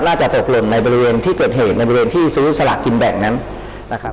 จะตกหล่นในบริเวณที่เกิดเหตุในบริเวณที่ซื้อสลากกินแบ่งนั้นนะครับ